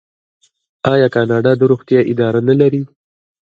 آیا کاناډا د روغتیا اداره نلري؟